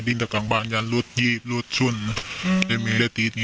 ดินกับกลางบ้านยันรถยีบรถช่วนอืมรืมยูมึย